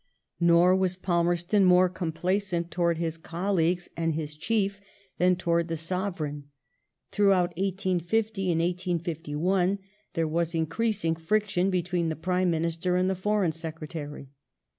Nor was Palmerston more complacent towards his colleagues and his Chief than towards the Sovereign. Throughout 1850 and 1851 there was increasing friction between the Prime Minister and the Foreign Secretary.